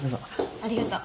ありがとう。